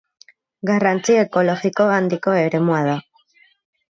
Garrantzi ekologiko handiko eremua da.